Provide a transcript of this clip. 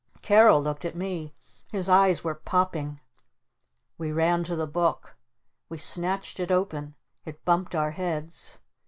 Carol looked at me. His eyes were popping. We ran to the Book. We snatched it open. It bumped our heads.